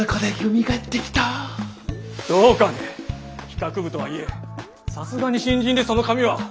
どうかね企画部とはいえさすがに新人でその髪は。